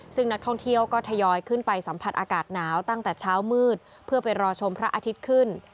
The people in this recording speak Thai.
ซึ่งนักท่องเที่ยวก็ทยอยขึ้นไปสัมผัสอากาศหนาวตั้งแต่เช้ามืดเพื่อไปรอชมพระอาทิตย์ขึ้น